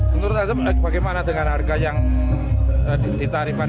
menurut anda bagaimana dengan harga yang ditawarkan